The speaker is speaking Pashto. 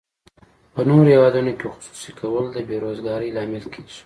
په نورو هیوادونو کې خصوصي کول د بې روزګارۍ لامل کیږي.